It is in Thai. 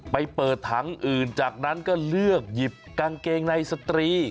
ไปเปิดถังอื่นจากนั้นก็เลือกหยิบกางเกงในสตรี